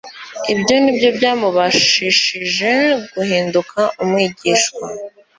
ibyo nibyo byamubashishije guhinduka umwigishwa.